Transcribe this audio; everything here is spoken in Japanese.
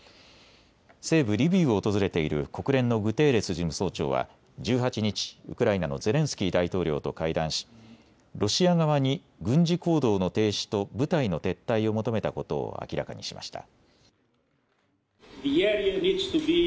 西部リビウを訪れている国連のグテーレス事務総長は１８日、ウクライナのゼレンスキー大統領と会談し、ロシア側に軍事行動の停止と部隊の撤退を求めたことを明らかにしました。